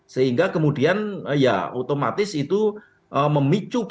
sehingga kemudian ya otomatis itu memicu